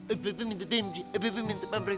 eh pepe minta pmg eh pepe minta pamri